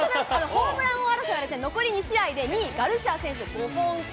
ホームラン王争いは残り２試合で２位、ガルシア選手、５本差。